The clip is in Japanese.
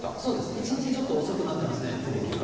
１日ちょっと遅くなっていますね、動きが。